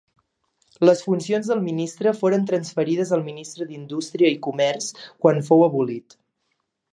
Les funcions del ministre foren transferides al Ministre d'Indústria i Comerç quan fou abolit.